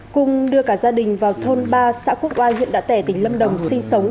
cung đưa cả gia đình vào thôn ba xã quốc hoa huyện đạ tẻ tỉnh lâm đồng sinh sống